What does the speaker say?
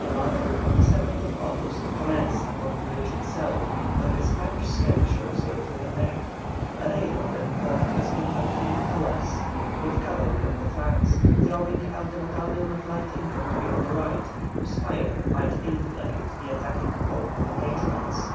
The battle of the 7th August commenced upon the bridge itself, where the Spanish skirmishers were driven back. Barreiro then formed his infantry in columns, with cavalry on the flanks, throwing out a battalion of light infantry on the right, whose fire might enfilade the attacking column of the Patriots.